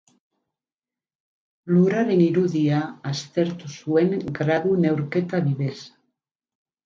Lurraren irudia aztertu zuen gradu neurketa bidez.